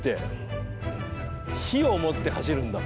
火を持って走るんだ。